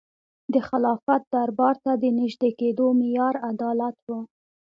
د خلافت دربار ته د نژدې کېدو معیار عدالت و.